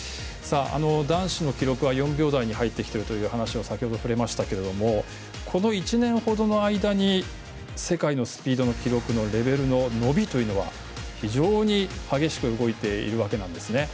男子の記録は４秒台に入ってきているという話を先ほどされましたけどこの１年ほどの間に世界のスピードの記録のレベルの伸びというのは非常に激しく動いているわけですね。